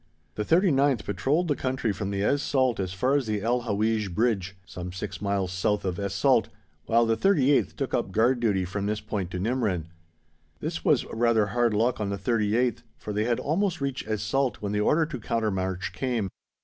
The 39th patrolled the country from Es Salt as far as the El Howeij Bridge, some six miles south of Es Salt, while the 38th took up guard duty from this point to Nimrin. This was rather hard luck on the 38th, for they had almost reached Es Salt when the order to counter march came.